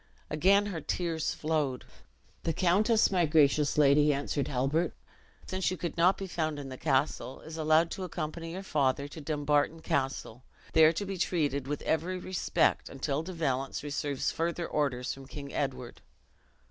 And again her tears flowed. "The countess, my gracious lady," answered Halbert, "since you could not be found in the castle, is allowed to accompany your father to Dumbarton Castle, there to be treated with every respect, until De Valence receives further orders from King Edward."